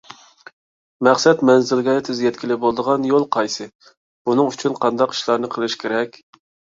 مەقسەت مەنزىلىگە تېز يەتكىلى بولىدىغان يول قايسى، بۇنىڭ ئۈچۈن قانداق ئىشلارنى قىلىش كېرەك؟